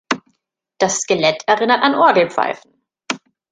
Das Skelett erinnert an Orgelpfeifen.